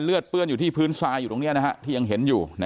เลือดเปื้อนอยู่ที่พื้นซาอยู่ตรงนี้นะที่ยังเห็นอยู่นะ